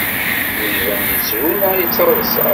Ur iban yettru neɣ yettaḍsa.